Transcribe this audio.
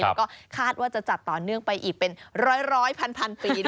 แล้วก็คาดว่าจะจัดต่อเนื่องไปอีกเป็นร้อยพันปี